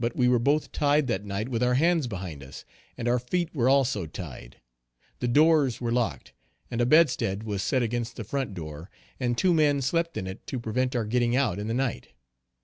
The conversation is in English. But we were both tied that night with our hands behind us, and our feet were also tied. The doors were locked, and a bedstead was set against the front door, and two men slept in it to prevent our getting out in the night.